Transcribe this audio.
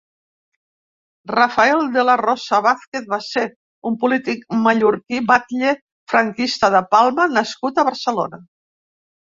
Rafael de la Rosa Vázquez va ser un polític mallorquí, batlle franquista de Palma nascut a Barcelona.